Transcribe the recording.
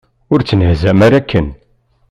Ur ttnehzam ara akken!